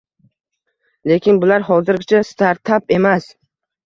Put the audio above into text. lekin bular hozirgacha Startup emas.